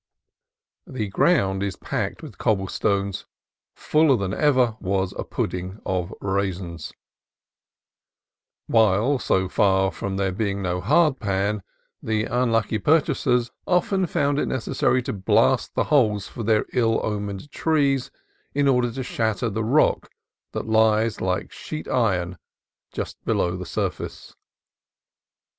The ground is packed with cobblestones fuller than ever was pudding of raisins ; while, so far from there being no hard pan, the unlucky pur chasers often found it necessary to blast the holes for their ill omened trees in order to shatter the rock that lies like sheet iron just below the surface.